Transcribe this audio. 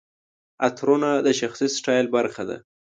عطرونه د شخصي سټایل برخه ده.